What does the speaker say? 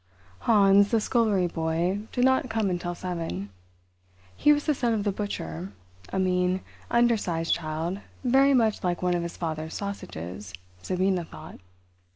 Hans, the scullery boy, did not come until seven. He was the son of the butcher—a mean, undersized child very much like one of his father's sausages, Sabina thought.